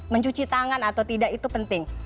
mencuci tangan atau tidak itu penting